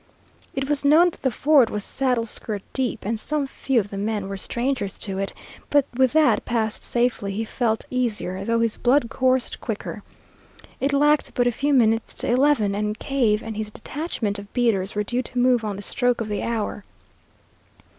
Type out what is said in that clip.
It was known that the ford was saddle skirt deep, and some few of the men were strangers to it; but with that passed safely he felt easier, though his blood coursed quicker. It lacked but a few minutes to eleven, and Cave and his detachment of beaters were due to move on the stroke of the hour.